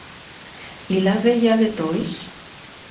I la vella de Toix?